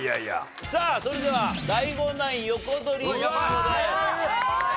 さあそれではＤＡＩＧＯナイン横取りビンゴです。